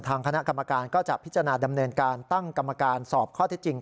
คณะกรรมการก็จะพิจารณาดำเนินการตั้งกรรมการสอบข้อเท็จจริง